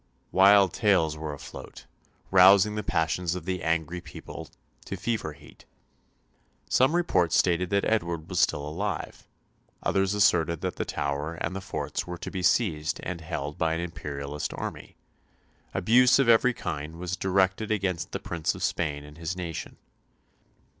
Wild tales were afloat, rousing the passions of the angry people to fever heat. Some reports stated that Edward was still alive; others asserted that the tower and the forts were to be seized and held by an imperialist army; abuse of every kind was directed against the Prince of Spain and his nation.